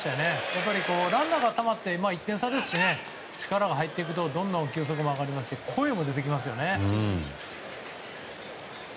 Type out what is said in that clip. やっぱり、ランナーがたまって１点差ですし力が入っていくとどんどん球速も上がりますし声も出てきますよね。